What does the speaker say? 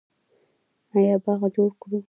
آیا باغ جوړ کړو؟